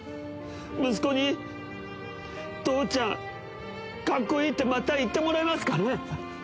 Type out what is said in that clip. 息子に父ちゃん、かっこいいってまた言ってもらえますかね？